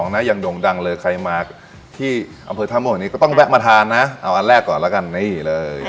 นะยังโด่งดังเลยใครมาที่อำเภอท่าม่วงนี้ก็ต้องแวะมาทานนะเอาอันแรกก่อนแล้วกันนี่เลย